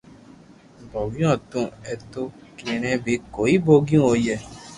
ڀوگيو ھتو ايتو ڪيڻي ڀي ڪوئي ڀوگيو ھوئي